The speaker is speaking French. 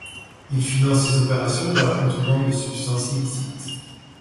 Il finance ses opérations par la contrebande de substances illicites.